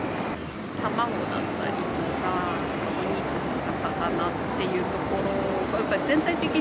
卵だったりとか、お肉とか魚っていうところ、全体的に。